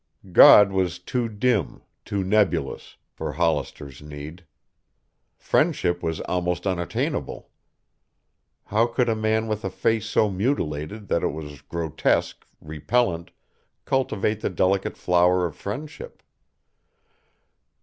God was too dim, too nebulous, for Hollister's need. Friendship was almost unattainable. How could a man with a face so mutilated that it was grotesque, repellent, cultivate the delicate flower of friendship?